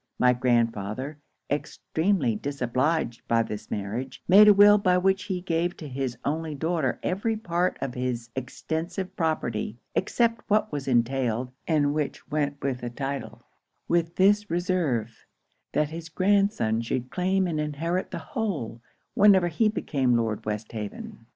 My grandfather, extremely disobliged by this marriage, made a will by which he gave to his only daughter every part of his extensive property, except what was entailed, and which went with the title; with this reserve, that his grandson should claim and inherit the whole, whenever he became Lord Westhaven.